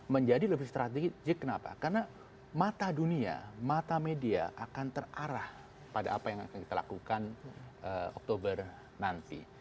menjadi lebih strategis kenapa karena mata dunia mata media akan terarah pada apa yang akan kita lakukan oktober nanti